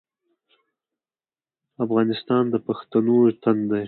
افغانستان د پښتنو تن دی